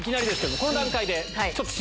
この段階で。